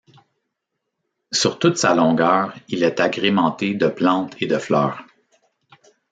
Sur toute sa longueur, il est agrémenté de plantes et de fleurs.